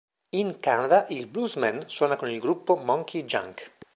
In Canada il "bluesman" suona con il gruppo Monkey Junk.